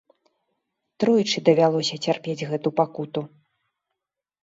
Тройчы давялося цярпець гэту пакуту.